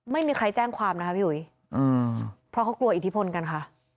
ไม่มีใครแจ้งความนะคะพี่หุยเพราะเขากลัวอิทธิพลกันค่ะ